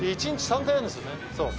１日３回やるんですよね。